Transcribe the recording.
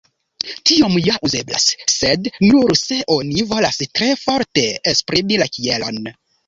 Tiom ja uzeblas, sed nur se oni volas tre forte esprimi la kielon.